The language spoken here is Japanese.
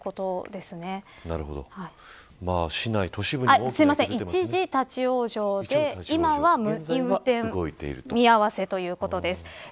すいません、一時立ち往生で今は運転見合わせということです。